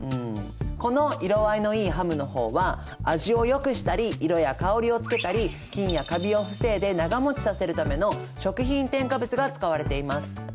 この色合いのいいハムの方は味をよくしたり色や香りをつけたり菌やかびを防いで長もちさせるための食品添加物が使われています。